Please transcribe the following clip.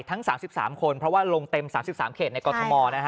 ทั้ง๓๓คนเพราะว่าลงเต็ม๓๓เขตในกรทมนะฮะ